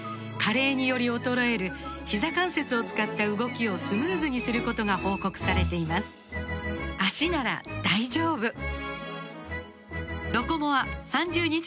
加齢により衰えるひざ関節を使った動きをスムーズにすることが報告されています「ロコモア」３０日間